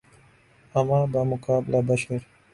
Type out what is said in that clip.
اماں بمقابلہ بشر